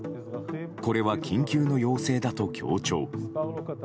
これは緊急の要請だと強調。